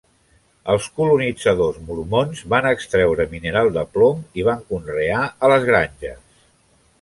Els colonitzadors mormons van extreure mineral de plom i van conrear a les granges.